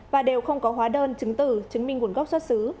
và đều không có hóa đơn chứng tử chứng minh nguồn gốc xuất xứ